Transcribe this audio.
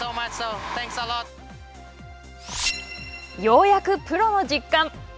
ようやくプロの実感。